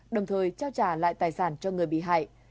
đồng thời trao trả lại tài sản cho người bị hại